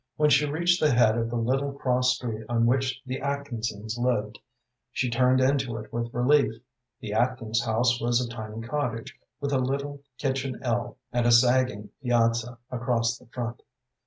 When she reached the head of the little cross street on which the Atkinses lived, she turned into it with relief. The Atkins house was a tiny cottage, with a little kitchen ell, and a sagging piazza across the front.